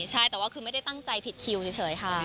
ใช่แต่ว่าคือไม่ได้ตั้งใจผิดคิวเฉยค่ะ